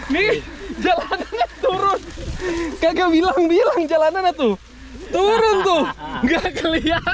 nih jalanannya turun kagak bilang bilang jalanannya tuh turun tuh gak keliatan